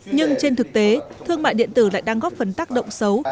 nhưng trên thực tế thương mại điện tử lại đang góp phần tác động xấu